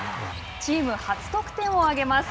チーム初得点を挙げます。